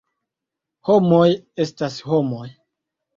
Homoj estas homoj.